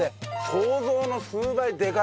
想像の数倍でかいですよ